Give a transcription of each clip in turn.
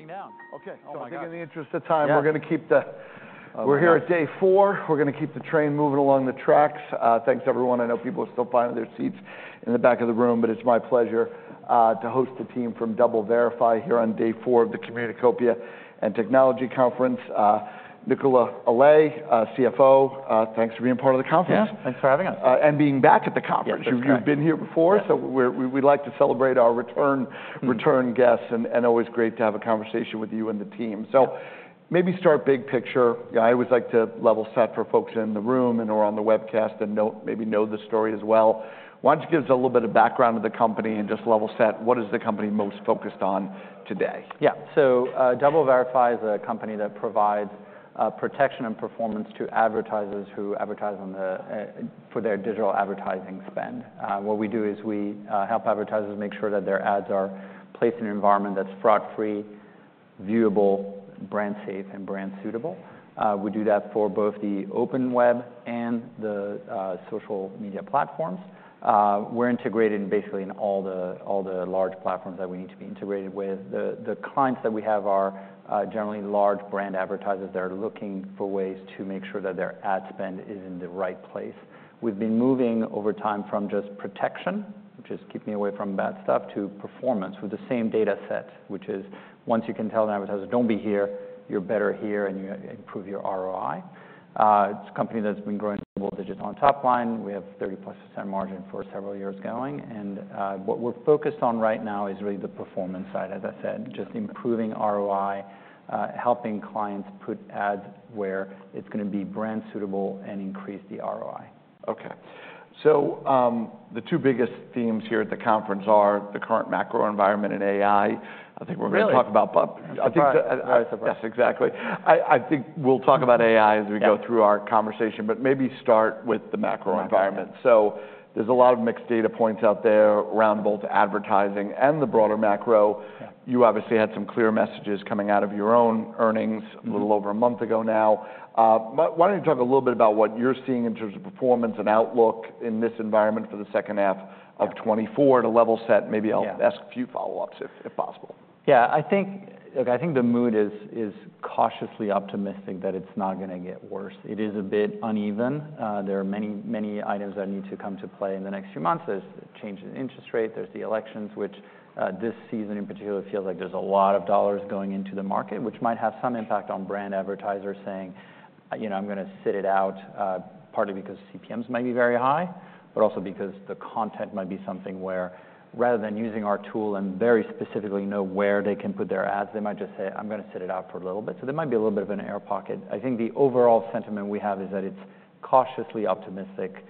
counting down. Okay. Oh, my God! So I think in the interest of time- Yeah... we're gonna keep the- Okay. We're here at day four. We're gonna keep the train moving along the tracks. Thanks, everyone. I know people are still finding their seats in the back of the room, but it's my pleasure to host the team from DoubleVerify here on day four of the Communicopia and Technology Conference. Nicola Allais, CFO, thanks for being part of the conference. Yeah, thanks for having us. And being back at the conference. Yeah, that's correct. You've been here before- Yeah... so we'd like to celebrate our returning guests, and always great to have a conversation with you and the team. Yeah. So maybe start big picture. I always like to level set for folks in the room and/or on the webcast and maybe know the story as well. Why don't you give us a little bit of background of the company and just level set, what is the company most focused on today? Yeah. So, DoubleVerify is a company that provides protection and performance to advertisers who advertise on the for their digital advertising spend. What we do is we help advertisers make sure that their ads are placed in an environment that's fraud-free, viewable, brand safe, and brand suitable. We do that for both the open web and the social media platforms. We're integrated basically in all the large platforms that we need to be integrated with. The clients that we have are generally large brand advertisers that are looking for ways to make sure that their ad spend is in the right place. We've been moving over time from just protection, which is keeping me away from bad stuff, to performance with the same data set, which is once you can tell an advertiser, "Don't be here, you're better here, and you improve your ROI." It's a company that's been growing double digits on top line. We have 30-plus% margin for several years going, and what we're focused on right now is really the performance side. As I said, just improving ROI, helping clients put ads where it's gonna be brand suitable and increase the ROI. Okay. So, the two biggest themes here at the conference are the current macro environment and AI. I think we're gonna- Really? But I think- Surprise, surprise. Yes, exactly. I think we'll talk about AI- Yeah... as we go through our conversation, but maybe start with the macro environment. Macro. So there's a lot of mixed data points out there around both advertising and the broader macro. Yeah. You obviously had some clear messages coming out of your own earnings- Mm-hmm... a little over a month ago now. Why don't you talk a little bit about what you're seeing in terms of performance and outlook in this environment for the second half of 2024 at a level set? Yeah. Maybe I'll ask a few follow-ups, if possible. Yeah. I think, look, I think the mood is cautiously optimistic that it's not gonna get worse. It is a bit uneven. There are many, many items that need to come to play in the next few months. There's a change in interest rate, there's the elections, which this season in particular feels like there's a lot of dollars going into the market, which might have some impact on brand advertisers saying, "You know, I'm gonna sit it out," partly because CPMs might be very high, but also because the content might be something where, rather than using our tool and very specifically know where they can put their ads, they might just say, "I'm gonna sit it out for a little bit." So there might be a little bit of an air pocket. I think the overall sentiment we have is that it's cautiously optimistic.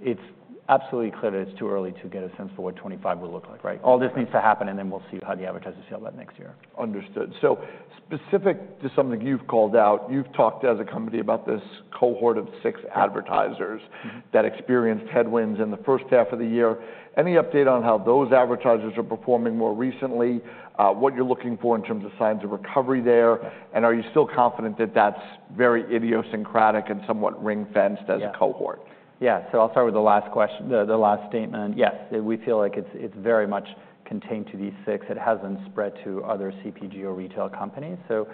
It's absolutely clear that it's too early to get a sense for what 2025 will look like, right? Right. All this needs to happen, and then we'll see how the advertisers feel about next year. Understood. So specific to something you've called out, you've talked as a company about this cohort of six advertisers- Mm-hmm... that experienced headwinds in the first half of the year. Any update on how those advertisers are performing more recently, what you're looking for in terms of signs of recovery there? Yeah. Are you still confident that that's very idiosyncratic and somewhat ring-fenced as a cohort? Yeah. Yeah, so I'll start with the last question. The last statement. Yes, we feel like it's very much contained to these six. It hasn't spread to other CPG or retail companies. So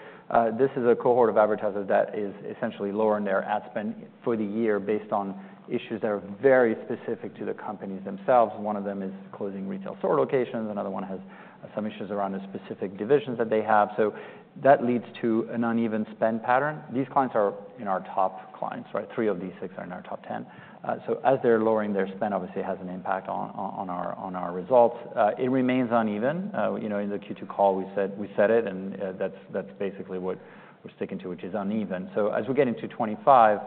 this is a cohort of advertisers that is essentially lowering their ad spend for the year based on issues that are very specific to the companies themselves. One of them is closing retail store locations, another one has some issues around the specific divisions that they have. So that leads to an uneven spend pattern. These clients are in our top clients, right? Three of these six are in our top 10. So as they're lowering their spend, obviously, it has an impact on our results. It remains uneven. You know, in the Q2 call, we said it, and that's basically what we're sticking to, which is uneven. So as we get into 2025,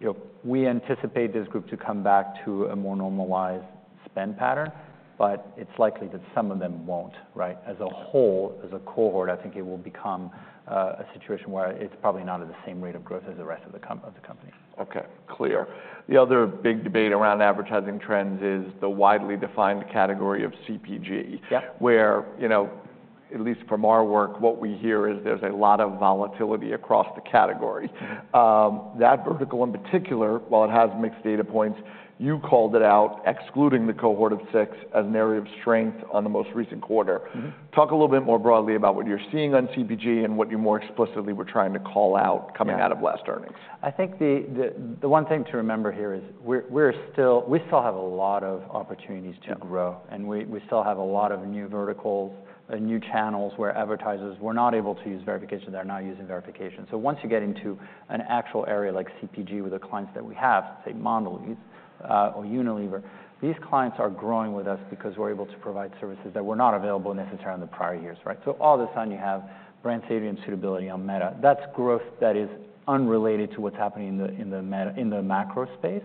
you know, we anticipate this group to come back to a more normalized spend pattern, but it's likely that some of them won't, right? Yeah. As a whole, as a cohort, I think it will become a situation where it's probably not at the same rate of growth as the rest of the company. Okay, clear. The other big debate around advertising trends is the widely defined category of CPG- Yeah... where, you know, at least from our work, what we hear is there's a lot of volatility across the category. That vertical in particular, while it has mixed data points, you called it out, excluding the cohort of six, as an area of strength on the most recent quarter. Mm-hmm. Talk a little bit more broadly about what you're seeing on CPG and what you more explicitly were trying to call out. Yeah... coming out of last earnings. I think the one thing to remember here is we still have a lot of opportunities to grow. Yeah. And we still have a lot of new verticals and new channels where advertisers were not able to use verification. They're now using verification. So once you get into an actual area like CPG with the clients that we have, say, Mondelez or Unilever, these clients are growing with us because we're able to provide services that were not available necessarily in the prior years, right? So all of a sudden, you have brand safety and suitability on Meta. That's growth that is unrelated to what's happening in the macro space.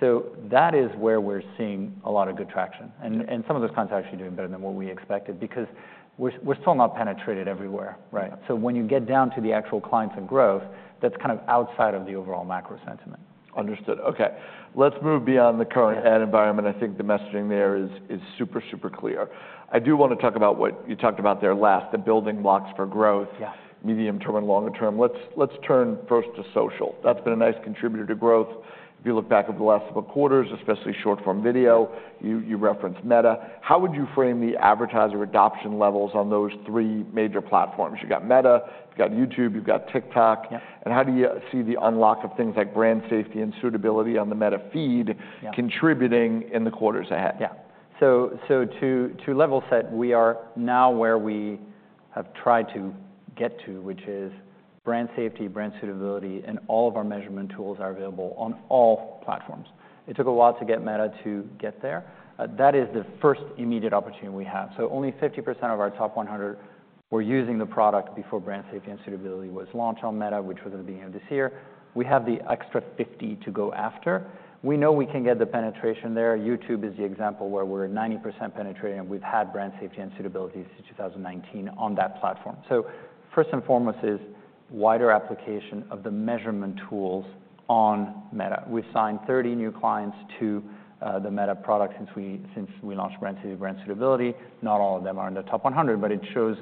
So that is where we're seeing a lot of good traction. Yeah. And some of those clients are actually doing better than what we expected because we're still not penetrated everywhere, right? So when you get down to the actual clients and growth, that's kind of outside of the overall macro sentiment. Understood. Okay, let's move beyond the current- Yeah... ad environment. I think the messaging there is super, super clear. I do wanna talk about what you talked about there last, the building blocks for growth. Yes. Medium-term and longer term. Let's turn first to social. That's been a nice contributor to growth. If you look back over the last couple of quarters, especially short-form video, you referenced Meta. How would you frame the advertiser adoption levels on those three major platforms? You've got Meta, you've got YouTube, you've got TikTok. Yeah. How do you see the unlock of things like brand safety and suitability on the Meta feed? Yeah... contributing in the quarters ahead? Yeah. So to level set, we are now where we have tried to get to, which is brand safety, brand suitability, and all of our measurement tools are available on all platforms. It took a while to get Meta to get there. That is the first immediate opportunity we have. So only 50% of our top 100 were using the product before brand safety and suitability was launched on Meta, which was at the beginning of this year. We have the extra 50 to go after. We know we can get the penetration there. YouTube is the example where we're at 90% penetration, and we've had brand safety and suitability since 2019 on that platform. So first and foremost is wider application of the measurement tools on Meta. We've signed 30 new clients to the Meta product since we launched brand safety and brand suitability. Not all of them are in the top 100, but it shows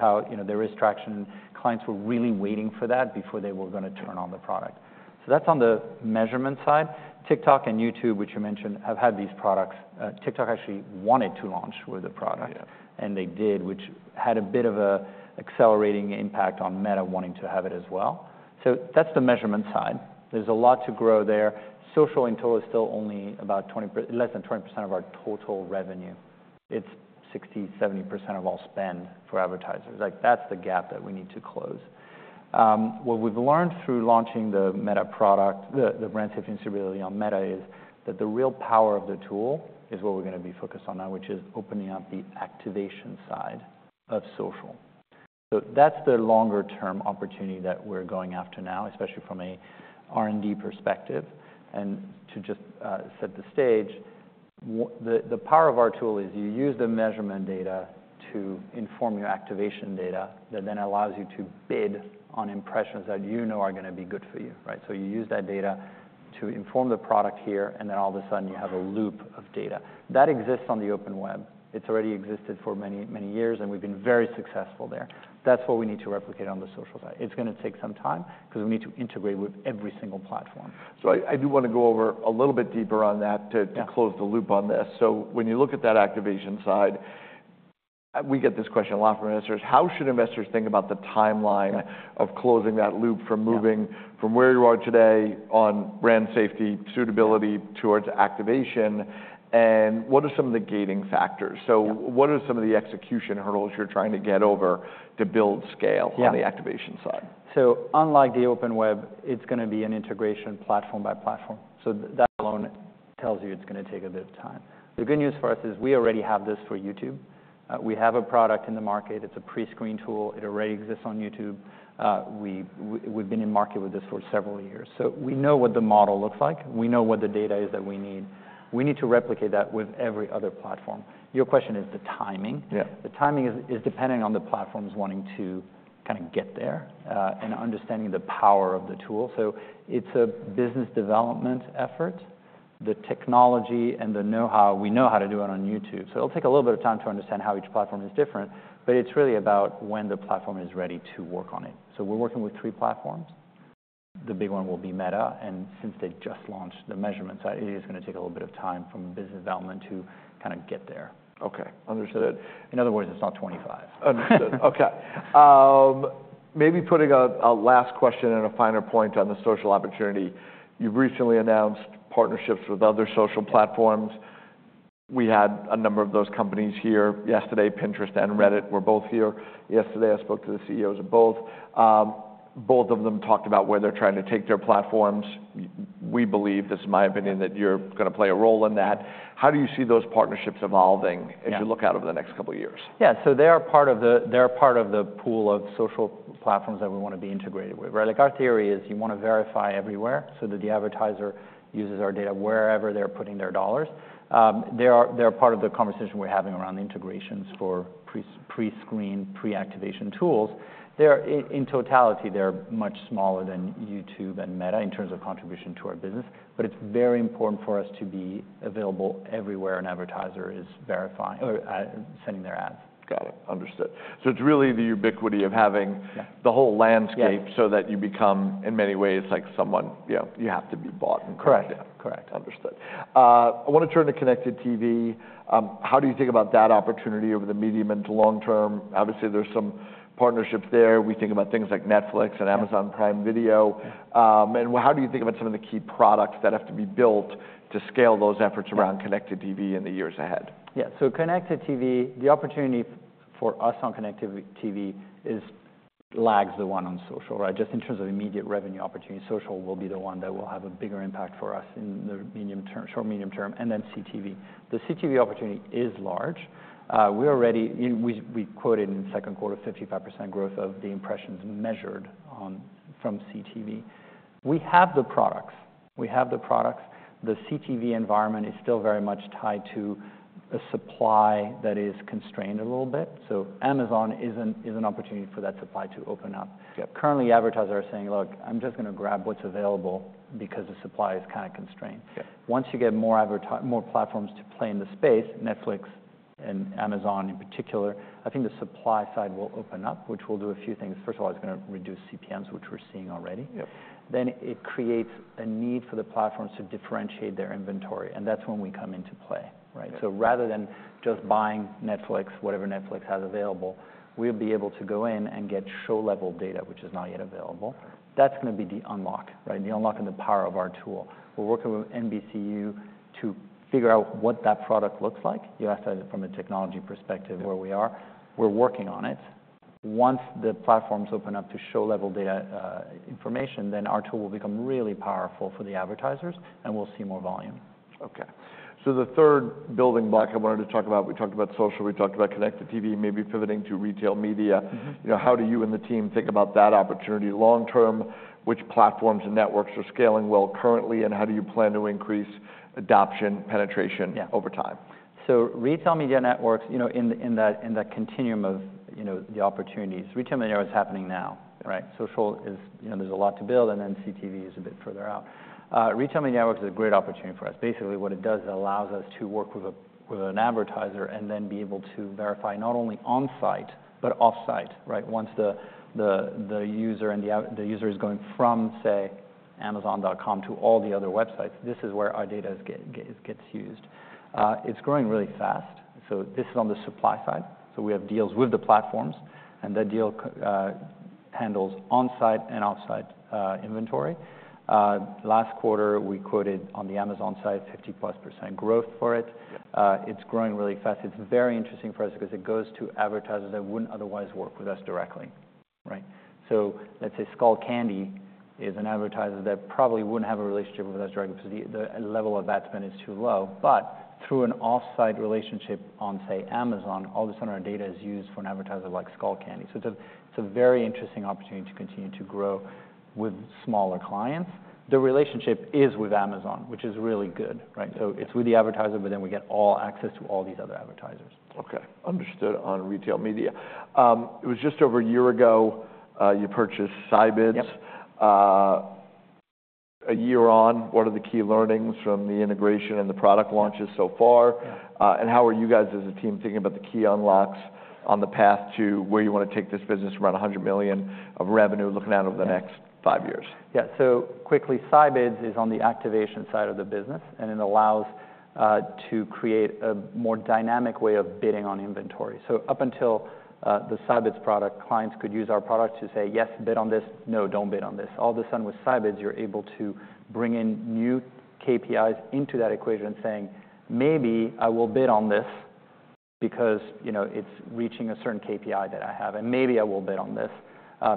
how, you know, there is traction. Clients were really waiting for that before they were gonna turn on the product. So that's on the measurement side. TikTok and YouTube, which you mentioned, have had these products. TikTok actually wanted to launch with the product- Yeah. and they did, which had a bit of a accelerating impact on Meta wanting to have it as well. So that's the measurement side. There's a lot to grow there. Social in total is still only about 20%, less than 20% of our total revenue. It's 60%-70% of all spend for advertisers. Like, that's the gap that we need to close. What we've learned through launching the Meta product, the brand safety and suitability on Meta, is that the real power of the tool is what we're gonna be focused on now, which is opening up the activation side of social. So that's the longer term opportunity that we're going after now, especially from a R&D perspective. And to just set the stage, what... The power of our tool is, you use the measurement data to inform your activation data, that then allows you to bid on impressions that you know are gonna be good for you, right? So you use that data to inform the product here, and then all of a sudden, you have a loop of data. That exists on the open web. It's already existed for many, many years, and we've been very successful there. That's what we need to replicate on the social side. It's gonna take some time, because we need to integrate with every single platform. So I do wanna go over a little bit deeper on that- Yeah... to close the loop on this. So when you look at that activation side, we get this question a lot from investors: How should investors think about the timeline? Yeah of closing that loop from moving Yeah - from where you are today on brand safety, suitability- Yeah Towards activation, and what are some of the gating factors? Yeah. So what are some of the execution hurdles you're trying to get over to build scale? Yeah On the activation side? So unlike the open web, it's gonna be an integration platform by platform, so that alone tells you it's gonna take a bit of time. The good news for us is we already have this for YouTube. We have a product in the market. It's a pre-screen tool. It already exists on YouTube. We've been in market with this for several years, so we know what the model looks like. We know what the data is that we need. We need to replicate that with every other platform. Your question is the timing. Yeah. The timing is depending on the platforms wanting to kind of get there, and understanding the power of the tool. So it's a business development effort. The technology and the know-how, we know how to do it on YouTube, so it'll take a little bit of time to understand how each platform is different, but it's really about when the platform is ready to work on it. So we're working with three platforms. The big one will be Meta, and since they just launched the measurement side, it is gonna take a little bit of time from a business development to kind of get there. Okay, understood. In other words, it's not 25. Understood. Okay. Maybe putting a last question and a finer point on the social opportunity. You've recently announced partnerships with other social platforms. We had a number of those companies here yesterday. Pinterest and Reddit were both here yesterday. I spoke to the CEOs of both. Both of them talked about where they're trying to take their platforms. We believe, this is my opinion, that you're gonna play a role in that. How do you see those partnerships evolving? Yeah As you look out over the next couple of years? Yeah. So they're part of the pool of social platforms that we wanna be integrated with, right? Like, our theory is, you wanna verify everywhere so that the advertiser uses our data wherever they're putting their dollars. They are part of the conversation we're having around integrations for pre-screen, pre-activation tools. They're in totality, they're much smaller than YouTube and Meta in terms of contribution to our business, but it's very important for us to be available everywhere an advertiser is verifying or sending their ads. Got it. Understood. So it's really the ubiquity of having- Yeah - the whole landscape - Yeah so that you become, in many ways, like someone. You know, you have to be bought. Correct. Yeah. Correct. Understood. I wanna turn to Connected TV. How do you think about that opportunity over the medium and to long term? Obviously, there's some partnerships there. We think about things like Netflix and Amazon Prime Video. Yeah. And how do you think about some of the key products that have to be built to scale those efforts? Yeah around connected TV in the years ahead? Yeah. So Connected TV, the opportunity for us on Connected TV lags the one on social, right? Just in terms of immediate revenue opportunity, social will be the one that will have a bigger impact for us in the medium term, short, medium term, and then CTV. The CTV opportunity is large. We already quoted in the second quarter, 55% growth of the impressions measured on, from CTV. We have the products. We have the products. The CTV environment is still very much tied to a supply that is constrained a little bit, so Amazon is an opportunity for that supply to open up. Yeah. Currently, advertisers are saying: Look, I'm just gonna grab what's available because the supply is kind of constrained. Yeah. Once you get more platforms to play in the space, Netflix and Amazon in particular, I think the supply side will open up, which will do a few things. First of all, it's gonna reduce CPMs, which we're seeing already. Yep. Then it creates a need for the platforms to differentiate their inventory, and that's when we come into play, right? Yeah. So rather than just buying Netflix, whatever Netflix has available, we'll be able to go in and get show-level data, which is not yet available. That's gonna be the unlock, right? The unlock and the power of our tool. We're working with NBCU to figure out what that product looks like. You asked that from a technology perspective- Yeah where we are. We're working on it. Once the platforms open up to show level data, information, then our tool will become really powerful for the advertisers, and we'll see more volume. Okay, so the third building block I wanted to talk about, we talked about social, we talked about connected TV, maybe pivoting to retail media. Mm-hmm. You know, how do you and the team think about that opportunity long term? Which platforms and networks are scaling well currently, and how do you plan to increase adoption, penetration- Yeah -over time? Retail media networks, you know, in the continuum of, you know, the opportunities. Retail media is happening now, right? Social is... You know, there's a lot to build, and then CTV is a bit further out. Retail media networks is a great opportunity for us. Basically, what it does, it allows us to work with an advertiser and then be able to verify not only on-site, but off-site, right? Once the user is going from, say, Amazon.com to all the other websites, this is where our data gets used. It's growing really fast, so this is on the supply side. We have deals with the platforms, and that deal handles on-site and off-site inventory. Last quarter, we quoted on the Amazon side, 50%+ growth for it. Yeah. It's growing really fast. It's very interesting for us because it goes to advertisers that wouldn't otherwise work with us directly, right? So let's say Skullcandy is an advertiser that probably wouldn't have a relationship with us directly because the level of ad spend is too low. But through an off-site relationship on, say, Amazon, all of a sudden, our data is used for an advertiser like Skullcandy. So it's a very interesting opportunity to continue to grow with smaller clients. The relationship is with Amazon, which is really good, right? Yeah. So it's with the advertiser, but then we get all access to all these other advertisers. Okay, understood on retail media. It was just over a year ago, you purchased Scibids. Yep. A year on, what are the key learnings from the integration and the product launches so far? Yeah. And how are you guys, as a team, thinking about the key unlocks on the path to where you want to take this business around $100 million of revenue looking out over the next five years? Yeah, so quickly, Scibids is on the activation side of the business, and it allows to create a more dynamic way of bidding on inventory, so up until the Scibids product, clients could use our product to say, "Yes, bid on this. No, don't bid on this." All of a sudden, with Scibids, you're able to bring in new KPIs into that equation, saying, "Maybe I will bid on this because, you know, it's reaching a certain KPI that I have, and maybe I will bid on this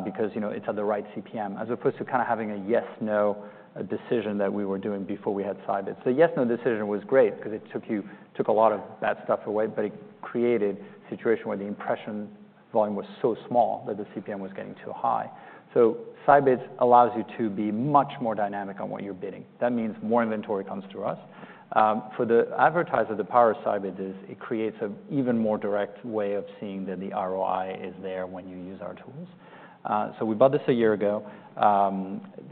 because, you know, it's at the right CPM," as opposed to kind of having a yes, no, decision that we were doing before we had Scibids. So a yes, no decision was great because it took a lot of bad stuff away, but it created a situation where the impression volume was so small that the CPM was getting too high. So Scibids allows you to be much more dynamic on what you're bidding. That means more inventory comes to us. For the advertiser, the power of Scibids is it creates an even more direct way of seeing that the ROI is there when you use our tools. So we bought this a year ago.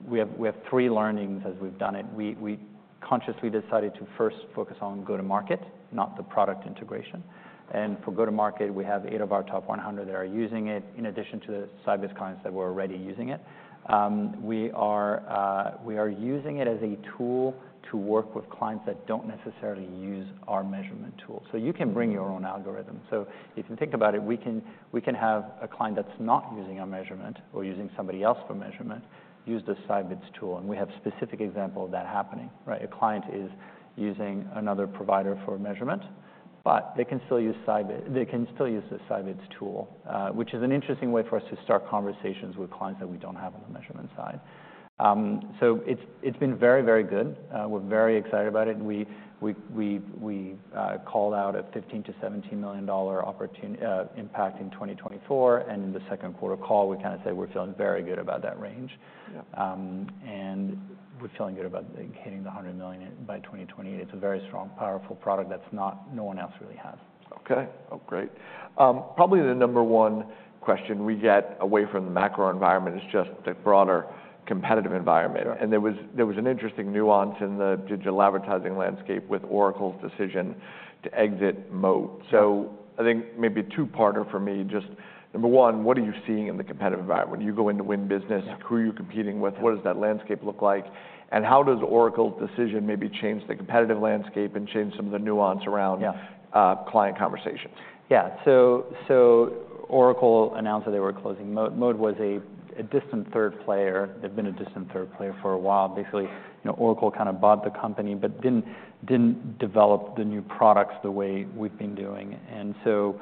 We have three learnings as we've done it. We consciously decided to first focus on go-to-market, not the product integration. And for go-to-market, we have eight of our top 100 that are using it, in addition to the Scibids clients that were already using it. We are using it as a tool to work with clients that don't necessarily use our measurement tool. So you can bring your own algorithm. So if you think about it, we can have a client that's not using our measurement or using somebody else for measurement, use the Scibids tool, and we have specific example of that happening, right? A client is using another provider for measurement, but they can still use the Scibids tool, which is an interesting way for us to start conversations with clients that we don't have on the measurement side. So it's been very, very good. We're very excited about it. We called out a $15 million-$17 million opportunity impact in 2024, and in the second quarter call, we kind of said we're feeling very good about that range. Yeah. And we're feeling good about hitting the $100 million by 2028. It's a very strong, powerful product that no one else really has. Okay. Oh, great. Probably the number one question we get away from the macro environment is just the broader competitive environment. Yeah. There was an interesting nuance in the digital advertising landscape with Oracle's decision to exit Moat. I think maybe a two-parter for me, just number one, what are you seeing in the competitive environment? When you go in to win business- Yeah... who are you competing with? What does that landscape look like? And how does Oracle's decision maybe change the competitive landscape and change some of the nuance around- Yeah... client conversations? Yeah. So Oracle announced that they were closing Moat. Moat was a distant third player. They've been a distant third player for a while. Basically, you know, Oracle kind of bought the company but didn't develop the new products the way we've been doing. And so,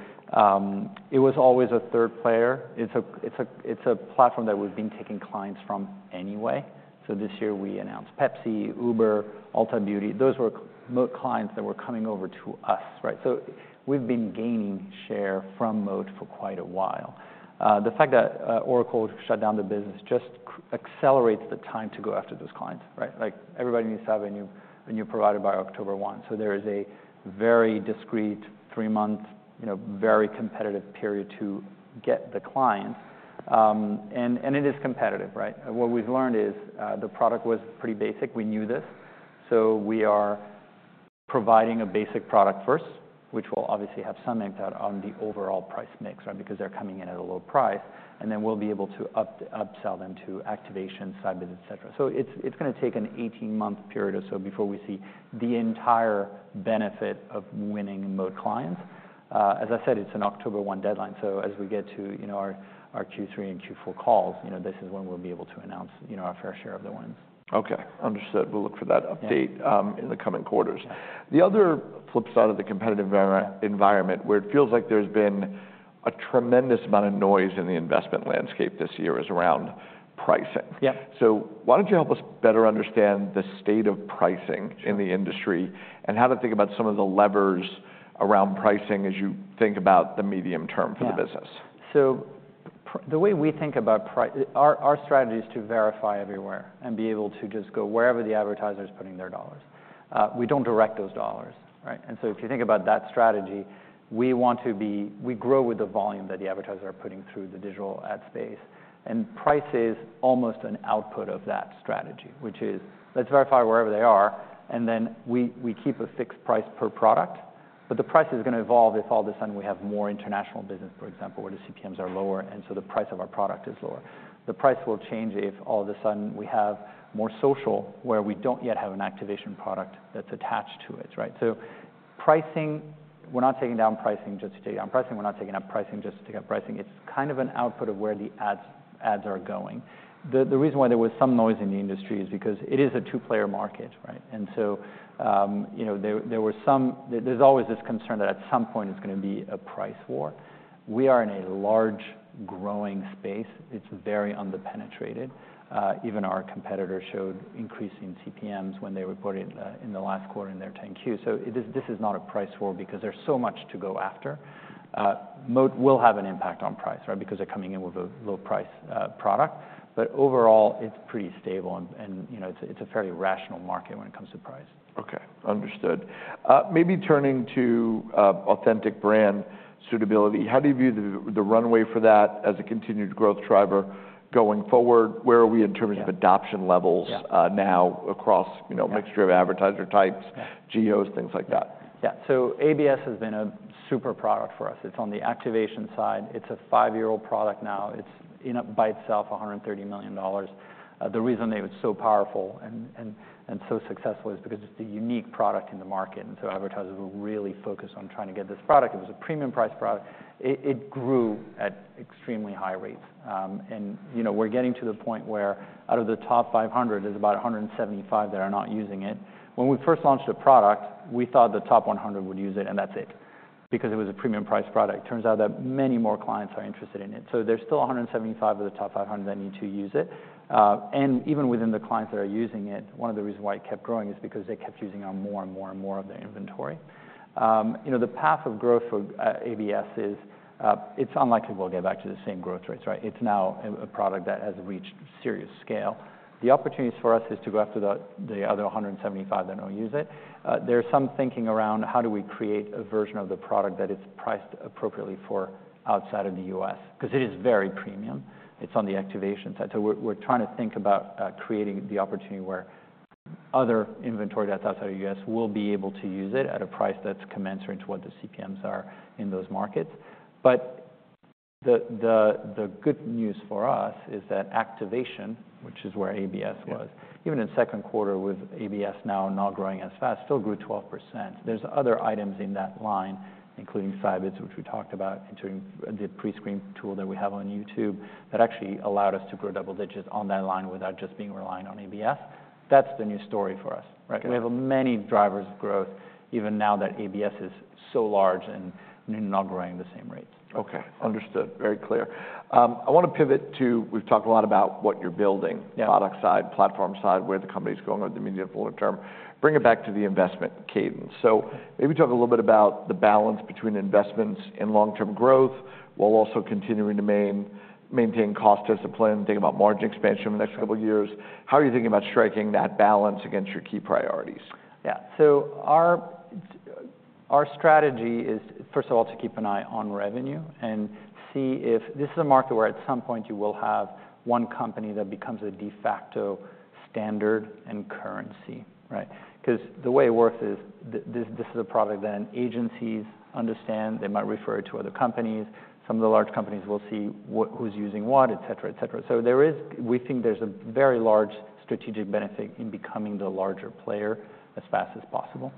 it was always a third player. It's a platform that we've been taking clients from anyway. So this year we announced Pepsi, Uber, Ulta Beauty. Those were Moat clients that were coming over to us, right? So we've been gaining share from Moat for quite a while. The fact that Oracle shut down the business just accelerates the time to go after those clients, right? Like, everybody needs to have a new provider by October one. So there is a very discrete three-month, you know, very competitive period to get the clients. And it is competitive, right? What we've learned is, the product was pretty basic. We knew this. So we are providing a basic product first, which will obviously have some impact on the overall price mix, right? Because they're coming in at a low price, and then we'll be able to upsell them to activation, Scibids, et cetera. So it's gonna take an eighteen-month period or so before we see the entire benefit of winning Moat clients. As I said, it's an October one deadline, so as we get to, you know, our Q3 and Q4 calls, you know, this is when we'll be able to announce, you know, our fair share of the wins. Okay, understood. We'll look for that update- Yeah... in the coming quarters. The other flip side of the competitive environment, where it feels like there's been a tremendous amount of noise in the investment landscape this year is around pricing. Yeah. So why don't you help us better understand the state of pricing in the industry, and how to think about some of the levers around pricing as you think about the medium term for the business? Yeah. So the way we think about price. Our strategy is to verify everywhere, and be able to just go wherever the advertiser is putting their dollars. We don't direct those dollars, right? And so if you think about that strategy, we want to grow with the volume that the advertisers are putting through the digital ad space. And price is almost an output of that strategy, which is, let's verify wherever they are, and then we keep a fixed price per product. But the price is gonna evolve if all of a sudden we have more international business, for example, where the CPMs are lower, and so the price of our product is lower. The price will change if all of a sudden we have more social, where we don't yet have an activation product that's attached to it, right? So pricing, we're not taking down pricing just to take down pricing. We're not taking up pricing just to take up pricing. It's kind of an output of where the ads are going. The reason why there was some noise in the industry is because it is a two-player market, right? And so, there's always this concern that at some point it's gonna be a price war. We are in a large, growing space. It's very under-penetrated. Even our competitor showed increase in CPMs when they reported in the last quarter in their 10-Q. So it is this is not a price war, because there's so much to go after. Moat will have an impact on price, right? Because they're coming in with a low-price product. But overall, it's pretty stable and, you know, it's a very rational market when it comes to price. Okay, understood. Maybe turning to Authentic Brand Suitability, how do you view the runway for that as a continued growth driver going forward? Where are we in terms- Yeah... of adoption levels- Yeah... now across, you know- Yeah... mixture of advertiser types- Yeah... geos, things like that? Yeah. So ABS has been a super product for us. It's on the activation side. It's a five-year-old product now. It's, you know, by itself, $130 million. The reason that it's so powerful and so successful is because it's the unique product in the market, and so advertisers were really focused on trying to get this product. It was a premium price product. It grew at extremely high rates. And, you know, we're getting to the point where out of the top 500, there's about 175 that are not using it. When we first launched the product, we thought the top 100 would use it, and that's it, because it was a premium price product. Turns out that many more clients are interested in it. So there's still 175 of the top 100 that need to use it. And even within the clients that are using it, one of the reasons why it kept growing is because they kept using it on more, and more, and more of their inventory. You know, the path of growth for ABS is it's unlikely we'll get back to the same growth rates, right? It's now a product that has reached serious scale. The opportunities for us is to go after the other 175 that don't use it. There's some thinking around how do we create a version of the product that is priced appropriately for outside of the U.S.? Because it is very premium. It's on the activation side. So we're trying to think about creating the opportunity where other inventory that's outside the US will be able to use it at a price that's commensurate to what the CPMs are in those markets. But the good news for us is that activation, which is where ABS was- Yeah... even in second quarter with ABS now not growing as fast, still grew 12%. There's other items in that line, including Scibids, which we talked about, including the pre-screen tool that we have on YouTube, that actually allowed us to grow double digits on that line without just being reliant on ABS. That's the new story for us, right? Yeah. We have many drivers of growth, even now that ABS is so large and not growing the same rates. Okay, understood. Very clear. I wanna pivot to... We've talked a lot about what you're building- Yeah... product side, platform side, where the company's going over the medium and short term. Bring it back to the investment cadence. So maybe talk a little bit about the balance between investments and long-term growth, while also continuing to maintain cost discipline, think about margin expansion in the next couple of years. How are you thinking about striking that balance against your key priorities? Yeah. So our strategy is, first of all, to keep an eye on revenue and see if this is a market where at some point you will have one company that becomes a de facto standard and currency, right? Because the way it works is this, this is a product that agencies understand. They might refer it to other companies. Some of the large companies will see who's using what, et cetera, et cetera. So we think there's a very large strategic benefit in becoming the larger player as fast as possible,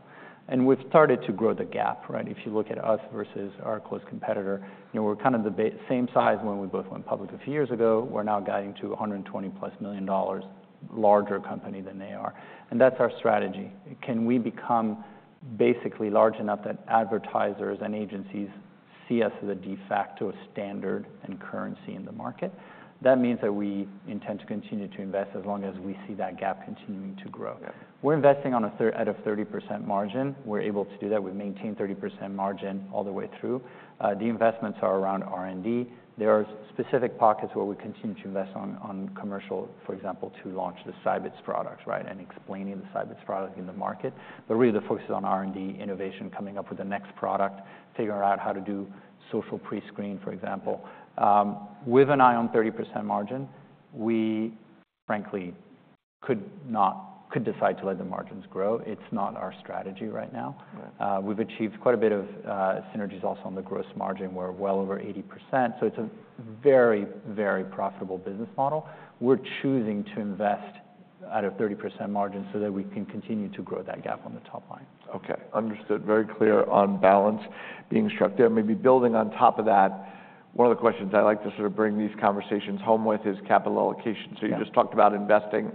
and we've started to grow the gap, right? If you look at us versus our close competitor, you know, we're kind of the same size when we both went public a few years ago. We're now guiding to $120-plus million larger company than they are, and that's our strategy. Can we become basically large enough that advertisers and agencies see us as a de facto standard and currency in the market? That means that we intend to continue to invest, as long as we see that gap continuing to grow. Yeah. We're investing at a 30% margin. We're able to do that. We've maintained 30% margin all the way through. The investments are around R&D. There are specific pockets where we continue to invest on commercial, for example, to launch the Scibids products, right, and explaining the Scibids product in the market. But really, the focus is on R&D, innovation, coming up with the next product, figuring out how to do social pre-screen, for example. With an eye on 30% margin, we frankly could decide to let the margins grow. It's not our strategy right now. Right. We've achieved quite a bit of synergies also on the gross margin. We're well over 80%, so it's a very, very profitable business model. We're choosing to invest at a 30% margin so that we can continue to grow that gap on the top line. Okay, understood. Very clear on balance being struck there. Maybe building on top of that, one of the questions I like to sort of bring these conversations home with is capital allocation. Yeah. So you just talked about investing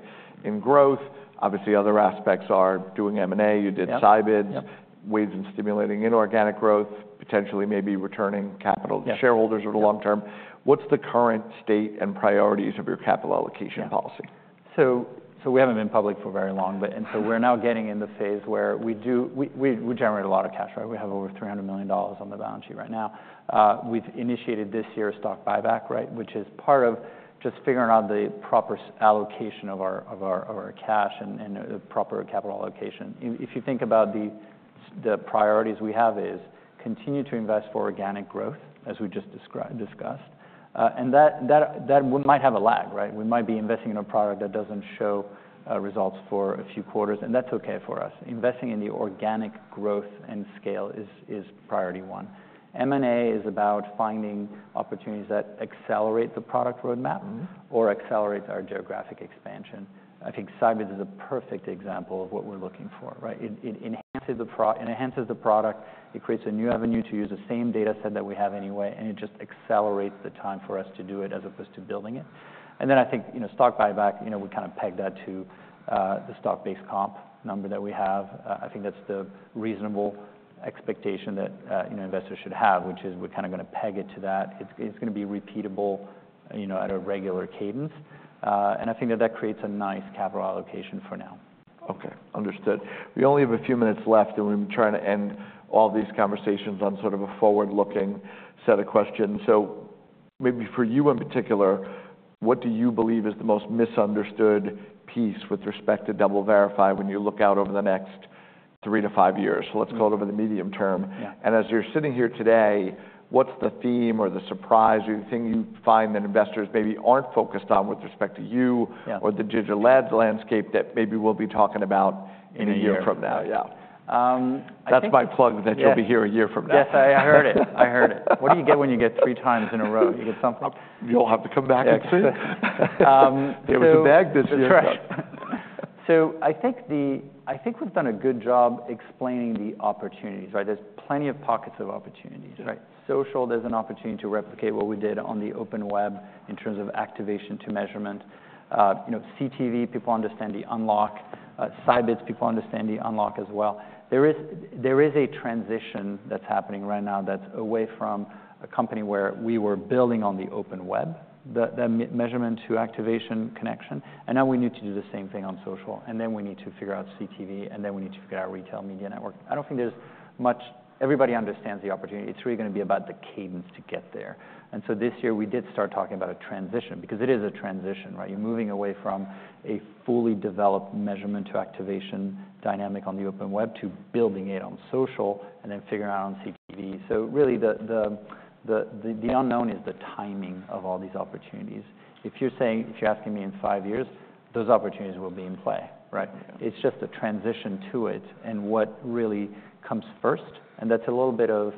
in growth. Obviously, other aspects are doing M&A. Yeah. You did Scibids... ways in stimulating inorganic growth, potentially maybe returning capital- Yeah. to shareholders over the long term. What's the current state and priorities of your capital allocation policy? So we haven't been public for very long, but and so we're now getting in the phase where we generate a lot of cash, right? We have over $300 million on the balance sheet right now. We've initiated this year's stock buyback, right, which is part of just figuring out the proper allocation of our cash and the proper capital allocation. If you think about the priorities we have is continue to invest for organic growth, as we just discussed, and that one might have a lag, right? We might be investing in a product that doesn't show results for a few quarters, and that's okay for us. Investing in the organic growth and scale is priority one. M&A is about finding opportunities that accelerate the product roadmap. Mm-hmm... or accelerates our geographic expansion. I think Scibids is a perfect example of what we're looking for, right? It enhances the product, it creates a new avenue to use the same data set that we have anyway, and it just accelerates the time for us to do it as opposed to building it. And then I think, you know, stock buyback, you know, we kind of peg that to the stock-based comp number that we have. I think that's the reasonable expectation that, you know, investors should have, which is we're kinda gonna peg it to that. It's gonna be repeatable, you know, at a regular cadence, and I think that creates a nice capital allocation for now. Okay, understood. We only have a few minutes left, and we've been trying to end all these conversations on sort of a forward-looking set of questions. So maybe for you, in particular, what do you believe is the most misunderstood piece with respect to DoubleVerify when you look out over the next three to five years? Mm. Let's call it over the medium term. Yeah. As you're sitting here today, what's the theme or the surprise or the thing you find that investors maybe aren't focused on with respect to you? Yeah... or the digital ads landscape that maybe we'll be talking about in a year from now? In a year. Yeah. I think- That's my plug, that you'll be here a year from now. Yes, I heard it. I heard it. What do you get when you get three times in a row? You get something? You'll have to come back and see. Um, so- It was a bag this year. That's right. So I think we've done a good job explaining the opportunities, right? There's plenty of pockets of opportunities, right? Sure. Social, there's an opportunity to replicate what we did on the open web in terms of activation to measurement. You know, CTV, people understand the unlock. Scibids, people understand the unlock as well. There is a transition that's happening right now that's away from a company where we were building on the open web, the measurement to activation connection, and now we need to do the same thing on social, and then we need to figure out CTV, and then we need to figure out retail media network. I don't think there's much. Everybody understands the opportunity. It's really gonna be about the cadence to get there. And so this year, we did start talking about a transition because it is a transition, right? You're moving away from a fully developed measurement to activation dynamic on the open web, to building it on social and then figuring out on CTV. So really, the unknown is the timing of all these opportunities. If you're saying, if you're asking me, in five years, those opportunities will be in play, right? Yeah. It's just a transition to it and what really comes first, and that's a little bit of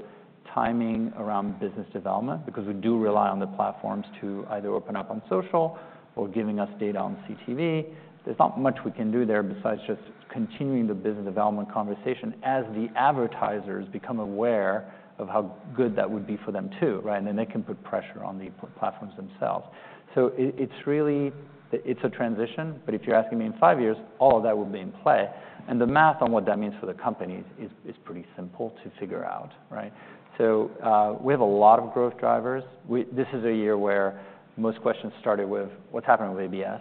timing around business development, because we do rely on the platforms to either open up on social or giving us data on CTV. There's not much we can do there besides just continuing the business development conversation as the advertisers become aware of how good that would be for them, too, right? And then they can put pressure on the platforms themselves. So, it's really... It's a transition, but if you're asking me in five years, all of that will be in play. And the math on what that means for the company is pretty simple to figure out, right? So, we have a lot of growth drivers. We. This is a year where most questions started with what's happening with ABS,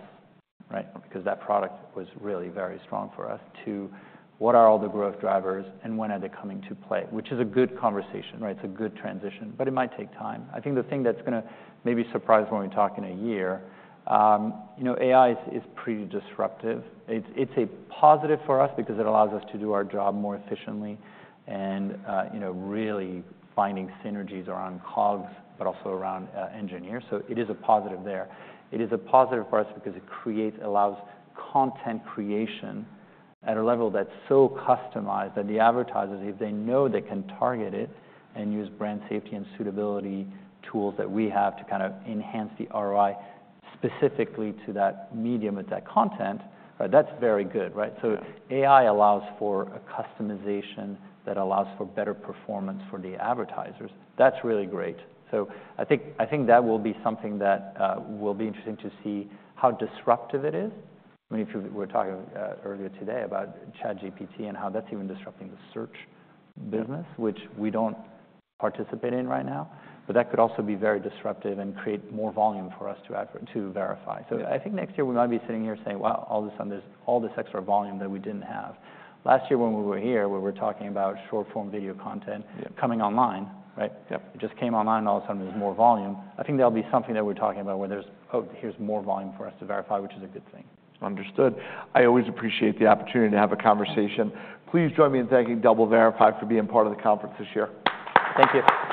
right? Because that product was really very strong for us, to what are all the growth drivers and when are they coming to play? Which is a good conversation, right? It's a good transition, but it might take time. I think the thing that's gonna maybe surprise when we talk in a year, you know, AI is pretty disruptive. It's a positive for us because it allows us to do our job more efficiently and, you know, really finding synergies around COGS, but also around engineers. So it is a positive there. It is a positive for us because it allows content creation at a level that's so customized that the advertisers, if they know they can target it and use brand safety and suitability tools that we have to kind of enhance the ROI, specifically to that medium with that content, that's very good, right? Yeah. So AI allows for a customization that allows for better performance for the advertisers. That's really great. So I think that will be something that will be interesting to see how disruptive it is. I mean, we were talking earlier today about ChatGPT and how that's even disrupting the search business. Mm... which we don't participate in right now, but that could also be very disruptive and create more volume for us to offer to verify. Yeah. So I think next year we might be sitting here saying, "Wow, all of a sudden, there's all this extra volume that we didn't have." Last year when we were here, where we were talking about short-form video content- Yeah... coming online, right? Yep. It just came online, and all of a sudden, there's more volume. I think that'll be something that we're talking about, where there's, "Oh, here's more volume for us to verify," which is a good thing. Understood. I always appreciate the opportunity to have a conversation. Thanks. Please join me in thanking DoubleVerify for being part of the conference this year. Thank you. All right. Thank you.